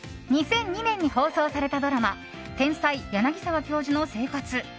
２００２年に放送されたドラマ「天才柳沢教授の生活」。